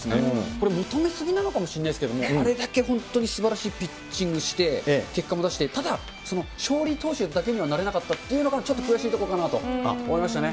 これ、求めすぎなのかもしれないですけど、あれだけ本当にすばらしいピッチングして、結果も出して、ただ、勝利投手だけにはなれなかったっていうのが、ちょっと悔しいところだなと思いましたね。